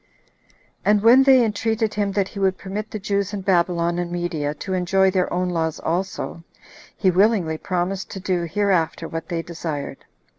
And when they entreated him that he would permit the Jews in Babylon and Media to enjoy their own laws also, he willingly promised to do hereafter what they desired.